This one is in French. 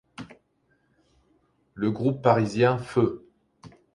Le groupe parisien Feu!